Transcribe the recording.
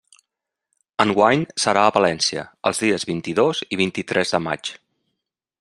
Enguany serà a València, els dies vint-i-dos i vint-i-tres de maig.